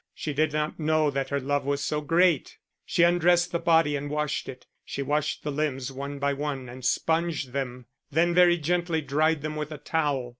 She did not know that her love was so great. She undressed the body and washed it; she washed the limbs one by one and sponged them, then very gently dried them with a towel.